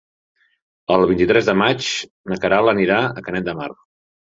El vint-i-tres de maig na Queralt anirà a Canet de Mar.